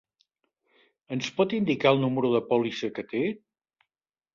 Ens pot indicar el número de pòlissa que té?